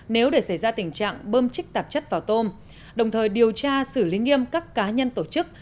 nếu để xảy ra tình trạng bơm chích tạp chất vào tôm đồng thời điều tra xử lý nghiêm các cá nhân tổ chức